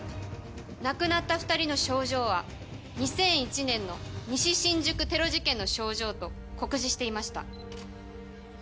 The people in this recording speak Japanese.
亡くなった２人の症状は２００１年の西新宿テロ事件の症状と酷似していました。